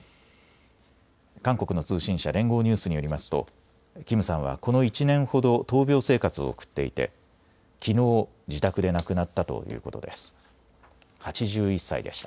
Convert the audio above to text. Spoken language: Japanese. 韓国の通信社、連合ニュースによりますとキムさんはこの１年ほど闘病生活を送っていて、きのう自宅で亡くなったということです。